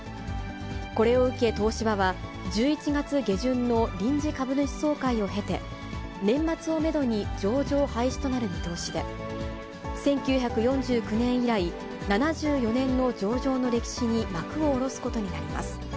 これを受け、東芝は１１月下旬の臨時株主総会を経て、年末をメドに上場廃止となる見通しで、１９４９年以来、７４年の上場の歴史に幕を下ろすことになります。